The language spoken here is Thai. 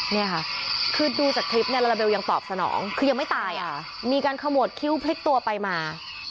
เนี่ยค่ะคือดูจากคลิปเนี่ยลาลาเบลยังตอบสนองคือยังไม่ตายอ่ะมีการขมวดคิ้วพลิกตัวไปมา